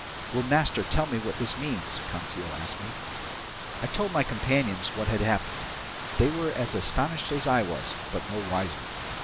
"Will master tell me what this means?" Conseil asked me. I told my companions what had happened. They were as astonished as I was, but no wiser.